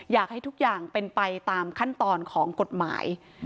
อยากให้ทุกอย่างเป็นไปตามขั้นตอนของกฎหมาย